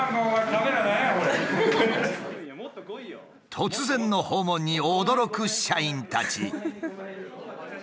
突然の訪問に驚く社員たち。